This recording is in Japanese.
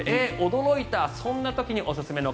驚いたそんな時におすすめの